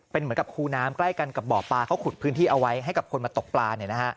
เป็นเหมือนกับคูน้ำใกล้กันกับบ่อปลาเขาขุดพื้นที่เอาไว้ให้กับคนมาตกปลา